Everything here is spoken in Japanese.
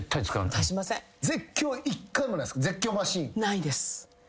ないです。